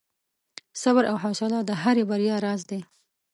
• صبر او حوصله د هرې بریا راز دی.